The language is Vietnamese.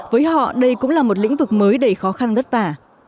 với họ đây cũng là một lĩnh vực mới đầy khó khăn đất vả